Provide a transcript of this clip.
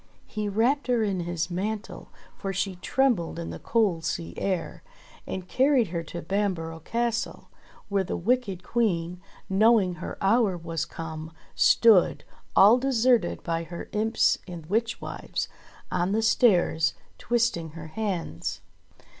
He wrapped her in his mantle, for she trembled in the cold sea air, and carried her to Bamborough Castle, where the wicked Queen, knowing her hour was come, stood, all de serted by her imps and witch wives, on the stairs, twisting her hands.